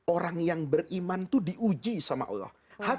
orang yang beriman itu diuji sama allah